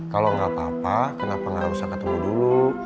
kalau nggak apa apa kenapa nggak harusnya ketemu dulu